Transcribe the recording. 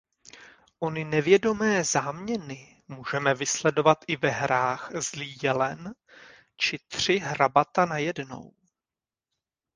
Ony nevědomé záměny můžeme vysledovat i ve hrách Zlý jelen či Tři hrabata najednou.